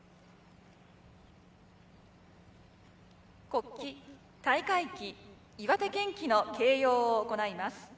国旗大会旗岩手県旗の掲揚を行います。